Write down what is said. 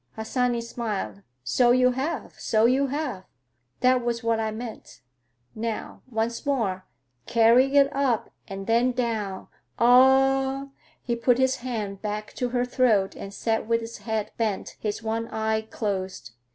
Harsanyi smiled. "So you have, so you have. That was what I meant. Now, once more; carry it up and then down, ah—ah." He put his hand back to her throat and sat with his head bent, his one eye closed.